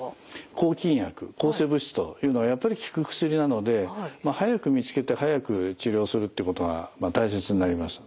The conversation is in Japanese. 抗菌薬抗生物質というのはやっぱり効く薬なので早く見つけて早く治療するってことが大切になります。